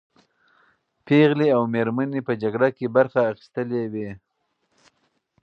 پېغلې او مېرمنې په جګړه کې برخه اخیستلې وې.